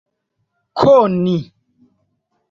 koni